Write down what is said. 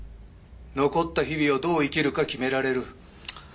残った日々をどう生きるか決められる。